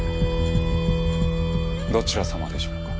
どちら様でしょうか？